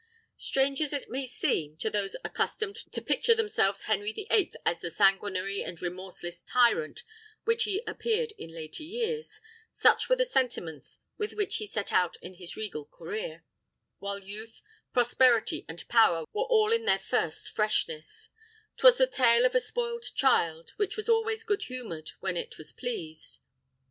Strange as it may seem, to those accustomed to picture themselves Henry the Eighth as the sanguinary and remorseless tyrant which he appeared in later years, such were the sentiments with which he set out in his regal career, while youth, prosperity, and power were all in their first freshness: 'twas the tale of the spoiled child, which was always good humoured when it was pleased.